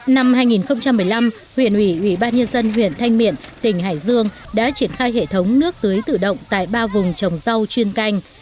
năm hai nghìn một mươi năm huyện ủy ủy ban nhân dân huyện thanh miện tỉnh hải dương đã triển khai hệ thống nước tưới tự động tại ba vùng trồng rau chuyên canh